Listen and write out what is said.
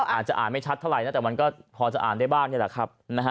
อาจจะอ่านไม่ชัดเท่าไหร่นะแต่มันก็พอจะอ่านได้บ้างนี่แหละครับ